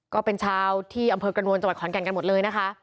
ก็เป็นชาวที่อำเภอกระนวลจังหวัดขอนแก่นกันหมดเลยนะคะ